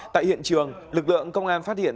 tại hiện trường lực lượng công an phát hiện